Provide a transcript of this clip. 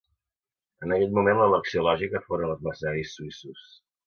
En aquell moment, l'elecció lògica foren els mercenaris suïssos.